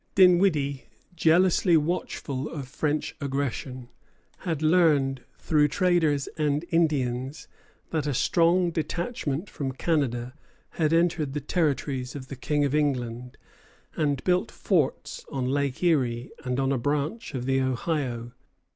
Dinwiddie, jealously watchful of French aggression, had learned through traders and Indians that a strong detachment from Canada had entered the territories of the King of England, and built forts on Lake Erie and on a branch of the Ohio.